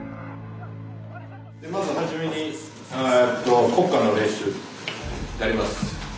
まず初めに国歌の練習やります。